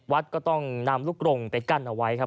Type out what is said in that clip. วัดก็ต้องนำลูกกรงไปกั้นเอาไว้ครับ